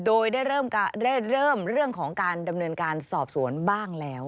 โดยได้เริ่มเรื่องของการดำเนินการสอบสวนบ้างแล้ว